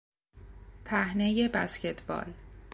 پهنهی بسکتبال